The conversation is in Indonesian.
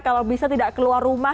kalau bisa tidak keluar rumah